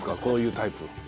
こういうタイプ。